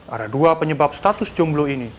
ada dua penyebab status jomblu ini